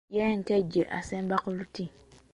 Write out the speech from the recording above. Ye nkejje esemba ku luti.